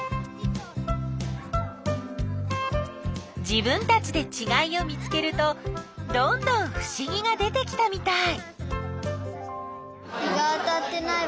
自分たちでちがいを見つけるとどんどんふしぎが出てきたみたい！